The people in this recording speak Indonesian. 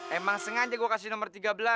emang sengaja gue kasih nomor tiga belas